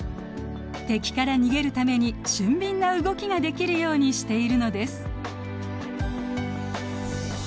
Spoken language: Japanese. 敵から逃げるために俊敏な動きができるようにしているのです。